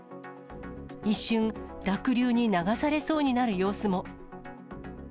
一瞬、濁流に流されそうになる様子も。